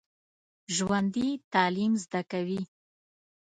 ژوندي تعلیم زده کوي